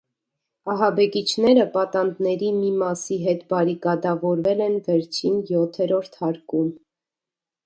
Ահաբեկիչները պատանդների մի մասի հետ բարիկադավորվել են վերջին՝ յոթերորդ հարկում։